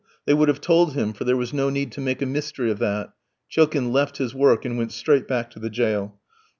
They would have told him, for there was no need to make a mystery of that. Chilkin left his work, and went straight back to the jail.